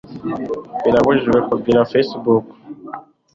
birabujijwe kugira facebook